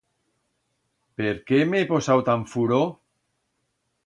Per qué m'he posau tan furo?